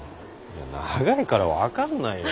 長いから分かんないよ。